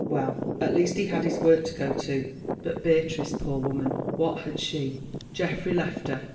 Well, at least he had his work to go to. But Beatrice, poor woman, what had she? Geoffrey left her.